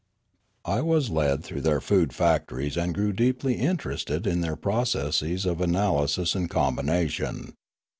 I was led through their food factories and grew deeply interested in their processes of analysis and combination.